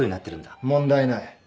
問題ない。